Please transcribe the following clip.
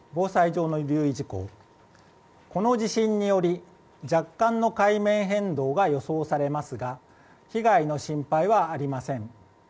この地震により若干の海面変動が予想されますが被害の心配はありません。